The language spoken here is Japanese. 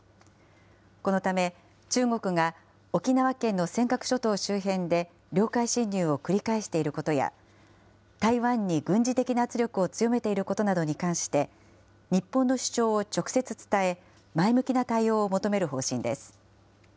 このため、中国が沖縄県の尖閣諸島周辺で領海侵入を繰り返していることや、台湾に軍事的な圧力を強めていることなどに関して、日本の主張を直接伝え、前向きな対応を求める方針です。